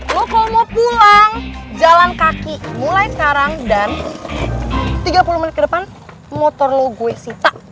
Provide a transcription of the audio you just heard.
lo kalau mau pulang jalan kaki mulai sekarang dan tiga puluh menit ke depan motor lo gue sita